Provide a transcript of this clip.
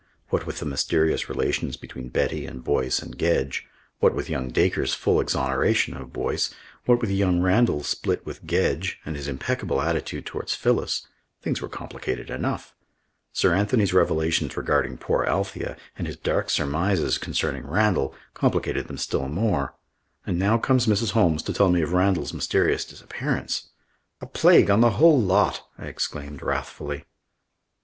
What with the mysterious relations between Betty and Boyce and Gedge, what with young Dacre's full exoneration of Boyce, what with young Randall's split with Gedge and his impeccable attitude towards Phyllis, things were complicated enough; Sir Anthony's revelations regarding poor Althea and his dark surmises concerning Randall complicated them still more; and now comes Mrs. Holmes to tell me of Randall's mysterious disappearance. "A plague on the whole lot!" I exclaimed wrathfully.